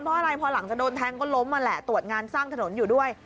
เพราะอะไรพอหลังจากโดนแทงก็ล้มนั่นแหละตรวจงานสร้างถนนอยู่ด้วย